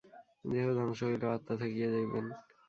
দেহ ধ্বংস হইলেও আত্মা থাকিয়া যাইবেন।